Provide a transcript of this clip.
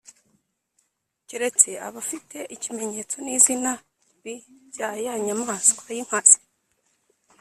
Keretse abafite ikimenyetso n izina b bya ya nyamaswa y inkazi